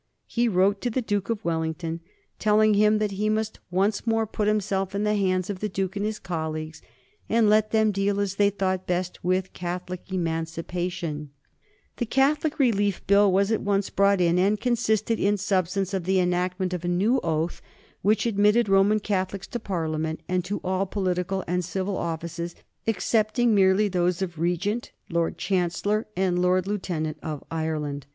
He wrote to the Duke of Wellington, telling him that he must once more put himself in the hands of the Duke and his colleagues, and let them deal as they thought best with Catholic Emancipation. [Sidenote: 1829 The Forty shilling Freeholders] The Catholic Relief Bill was at once brought in, and consisted in substance of the enactment of a new oath, which admitted Roman Catholics to Parliament and to all political and civil offices excepting merely those of Regent, Lord Chancellor, and Lord Lieutenant of Ireland.